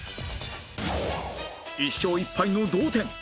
１勝１敗の同点